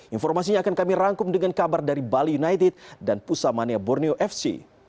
informasinya akan kami rangkum dengan kabar dari bali united dan pusamania borneo fc